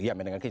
ya memang kecil